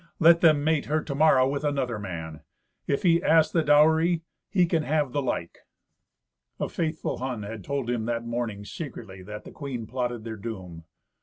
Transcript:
"Let them mate her to morrow with another man; if he ask the dowry, he can have the like." A faithful Hun had told him that morning, secretly, that the queen plotted their doom.